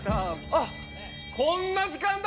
あっこんな時間だ。